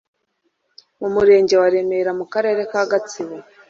Mu murenge wa Remera mu karere ka Gatsibo